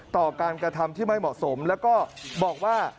ต่อการกระทำที่ไม่เหมาะสมแล้วก็บอกว่า